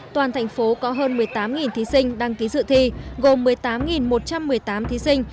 toàn thành phố có hơn một mươi tám thí sinh đăng ký dự thi gồm một mươi tám một trăm một mươi tám thí sinh